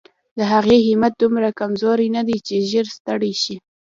د هغې همت دومره کمزوری نه دی چې ژر ستړې شي.